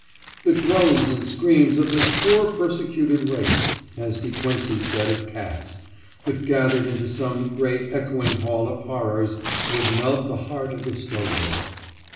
"The groans and screams of this poor persecuted race," as De Quincey said of cats, "if gathered into some great echoing hall of horrors, would melt the heart of the stoniest."